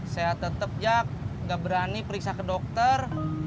saya tetep jak nggak berani periksa ke dokter